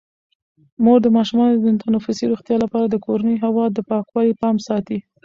مور د ماشومانو د تنفسي روغتیا لپاره د کورني هوا د پاکوالي پام ساتي.